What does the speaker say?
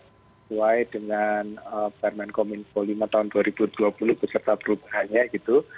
sesuai dengan permen kominfo lima tahun dua ribu dua puluh beserta perubahannya gitu